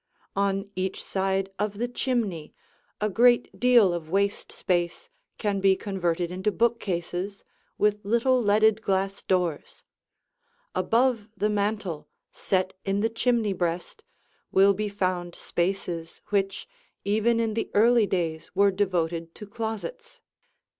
On each side of the chimney a great deal of waste space can be converted into bookcases, with little, leaded, glass doors. Above the mantel, set in the chimney breast, will be found spaces which even in the early days were devoted to closets.